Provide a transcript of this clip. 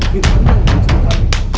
bisa kita berdua